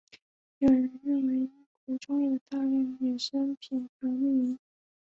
有人认为因湖中有大量野生鳖而命名。